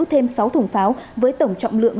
thêm sáu thùng pháo với tổng trọng lượng